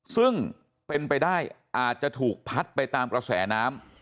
ซึ่งเป็นไปได้อาจจะถูกพัดไปตามกระแสน้ำ